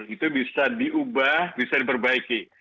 itu bisa diubah bisa diperbaiki